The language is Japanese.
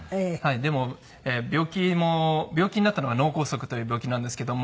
でも病気も病気になったのが脳梗塞という病気なんですけども。